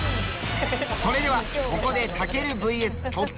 それではここでたけるＶＳ凸版印刷。